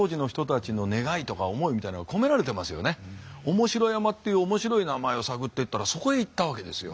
面白山っていう面白い名前を探ってったらそこへいったわけですよ。